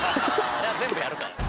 あれは全部やるから。